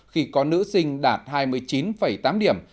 khi có nữ sinh đạt hai mươi chín tám điểm